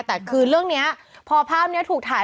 แต่คือเรื่องนี้พอภาพนี้ถูกถ่าย